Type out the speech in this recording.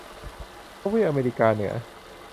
ทวีปอเมริกาเหนือ